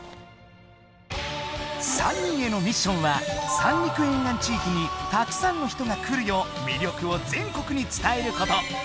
３人へのミッションは三陸沿岸地域にたくさんの人が来るよう魅力を全国に伝えること！